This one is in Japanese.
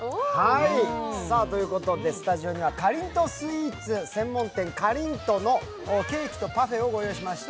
スタジオにはかりんとうスイーツ専門店Ｃａｒｉｎ＆のケーキとパフェをご用意しました。